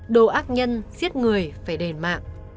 đồ ác nhân giết người phải đền mạng